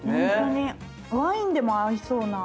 ワインでも合いそうな。